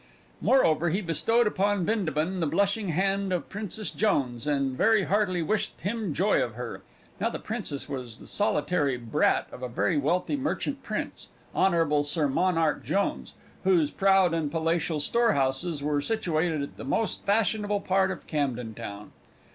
Moreover, he bestowed upon Bindabun the blushing hand of Princess Jones, and very heartily wished him joy of her. Now the Princess was the solitary brat of a very wealthy merchant prince, Honble Sir Monarch Jones, whose proud and palatial storehouses were situated in the most fashionable part of Camden Town.